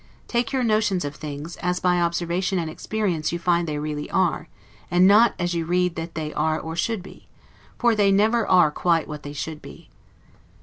Take your notions of things, as by observation and experience you find they really are, and not as you read that they are or should be; for they never are quite what they should be.